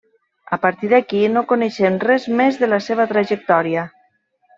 A partir d'aquí, no coneixem res més de la seva trajectòria.